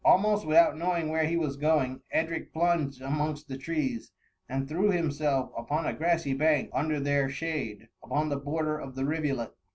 Almost without knowing where he was going, Edric plunged amongst the trees, and threw himself upon a grassy bank under their shade, upon the border of the rivulet.